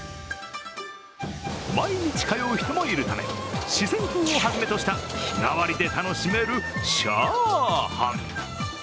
毎日通う人もいるため、四川風を初めとした日替わりで楽しめるチャーハン。